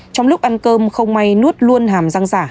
trong lúc ăn cơm không may nuốt luôn hàm răng giả